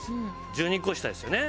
１２個下ですよね。